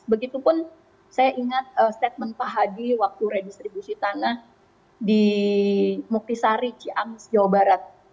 begitupun saya ingat statement pak hadi waktu redistribusi tanah di muktisari ciamis jawa barat